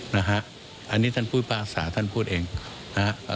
นะฮะอันนี้ท่านพูดภาษาท่านพูดเองนะฮะ